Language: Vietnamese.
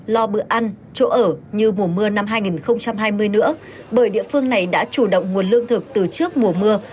lo bữa ăn chỗ ở như mùa mưa năm hai nghìn hai mươi nữa bởi địa phương này đã chủ động nguồn lương thực từ trước mùa mưa